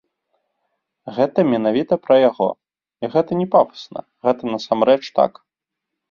Гэта менавіта пра яго, і гэта не пафасна, гэта насамрэч так.